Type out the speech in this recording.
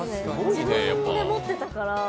自分で持ってたから。